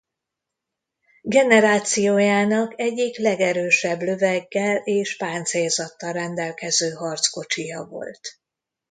Generációjának egyik legerősebb löveggel és páncélzattal rendelkező harckocsija volt.